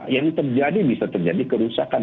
yang terjadi bisa terjadi kerusakan